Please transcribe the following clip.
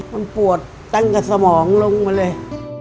มันปวดตั้งแต่สมองลงมาเลย